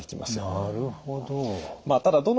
なるほど。